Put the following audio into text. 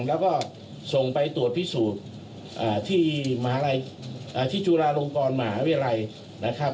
แล้วก็ส่งไปตรวจพิสูจน์ที่จุฬาลงกรมหาวิทยาลัยนะครับ